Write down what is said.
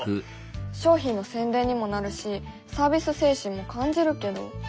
商品の宣伝にもなるしサービス精神も感じるけど。